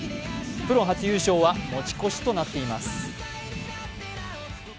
プロ初優勝は持ち越しとなっています。